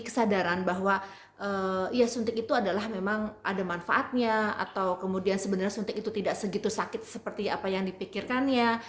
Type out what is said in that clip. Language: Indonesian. kesadaran bahwa ya suntik itu adalah memang ada manfaatnya atau kemudian sebenarnya suntik itu tidak segitu sakit seperti apa yang dipikirkannya